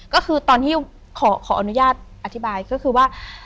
ก็คือตอนที่ขออนุญาตอธิบายก็คือว่า